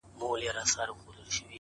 له یخنیه دي بې واکه دي لاسونه!!!